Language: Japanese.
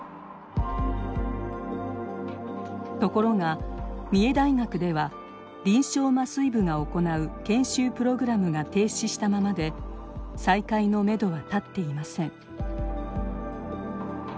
ところが三重大学では臨床麻酔部が行う研修プログラムが停止したままで再開のめどは立っていません。